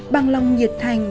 bằng lòng nhiệt thành